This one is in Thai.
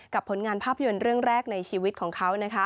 ผลงานภาพยนตร์เรื่องแรกในชีวิตของเขา